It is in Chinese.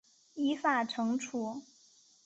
依法惩处